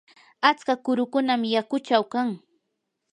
atska kurukunam yakuchaw kan.